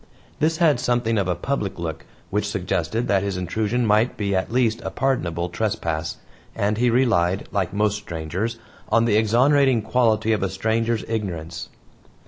This had something of a public look, which suggested that his intrusion might be at least a pardonable trespass, and he relied, like most strangers, on the exonerating quality of a stranger's ignorance.